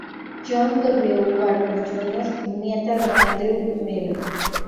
John W. Warner, Jr., nieta de Andrew Mellon.